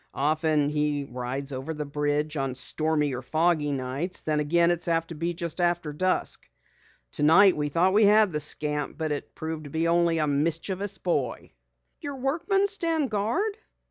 Often he rides over the bridge on stormy or foggy nights. Then again it's apt to be just after dusk. Tonight we thought we had the scamp, but it proved to be only a mischievous boy." "Your workmen stand guard?"